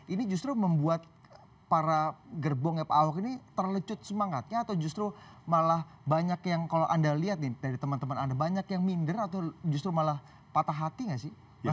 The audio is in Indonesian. ini justru membuat para gerbongnya pak ahok ini terlecut semangatnya atau justru malah banyak yang kalau anda lihat nih dari teman teman anda banyak yang minder atau justru malah patah hati gak sih